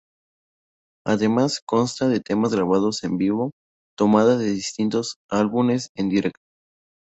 Además consta de temas grabados en vivo tomadas de distintos álbumes en directo.